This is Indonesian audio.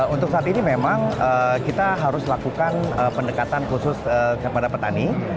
untuk saat ini memang kita harus lakukan pendekatan khusus kepada petani